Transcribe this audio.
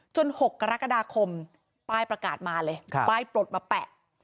๖กรกฎาคมป้ายประกาศมาเลยป้ายปลดมาแปะ